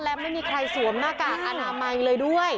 และไม่มีใครสวมหน้ากากอนามัยเลยด้วย